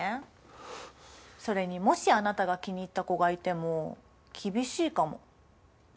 それにもしあなたが気に入った子がいても厳しいかも。